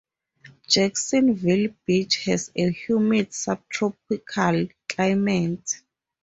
Jacksonville Beach has a humid subtropical climate.